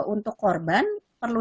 untuk korban perlu